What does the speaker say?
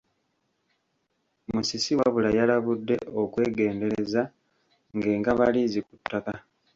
Musisi wabula yalabudde okwegendereza ng’engaba liizi ku ttaka.